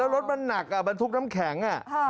รถมันนักมันทุกข์น้ำแข็ง